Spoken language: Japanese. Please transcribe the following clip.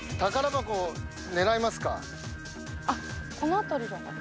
あっこの辺りじゃない？